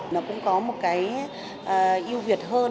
nó cũng có một cái yêu việt hơn